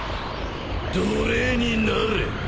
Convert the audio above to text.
奴隷になれ？